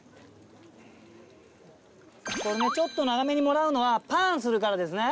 ちょっと長めにもらうのはパンするからですね。